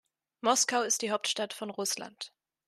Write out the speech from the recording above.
Moskau ist die Hauptstadt von Russland.